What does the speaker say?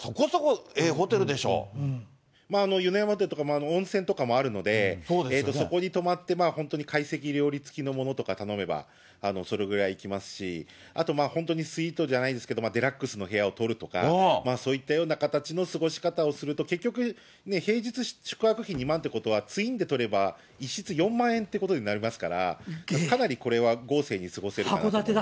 やまという所は温泉とかもあるので、そこに泊まって、本当に会席料理付きのものとか頼めば、それぐらいいきますし、あと、本当にスイートじゃないんですけど、デラックスの部屋を取るとか、そういったような形の過ごし方をすると、結局、平日宿泊費２万ということは、ツインで取れば１室４万円ってことになりますから、かなりこれは豪勢に過ごせるかなと。